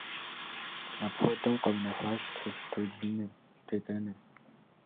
Апхуэдэу къэунэхуащ тхылъ тедзэныр.